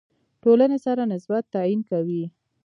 ټولنې سره نسبت تعیین کوي.